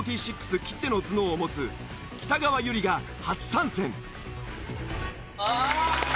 きっての頭脳を持つ北川悠理が初参戦。